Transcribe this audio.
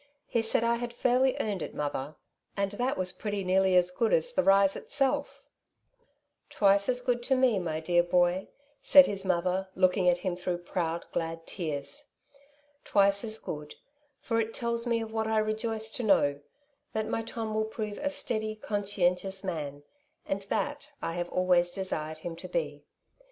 " He said 1 had fairly earned it, mother, and that was pretty nearly as good as the rise itself/^ " Twice as good to me, my dear boy, said his mother, looking at him through proud^ glad tears ;*' twice as good, for it tells me of what I rejoice to know, that my Tom will prove a steady, con scientious man ; and that I have always desired him to be.